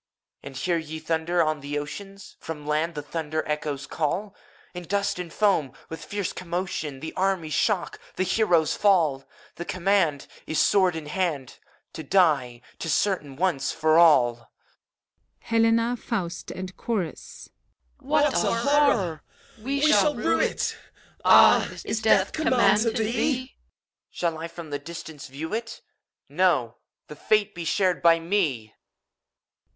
And hear ye thunders on the ocean f From land the thunder echoes calif In dust and foam, with fierce commotion, The armies shock, the heroes fall! The command Is, sword in hand. To die : 't is certain, once for all. HELENA^ FAUST, AND CHORUS. What a horror! We shall rue it! Ah, is Death command to theet EUPHORION. Shall I from the distance view itt No! the fate be shared by me!